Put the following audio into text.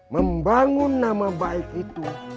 membangun nama baik itu